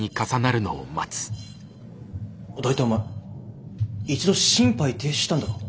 「大体お前一度心肺停止したんだろ？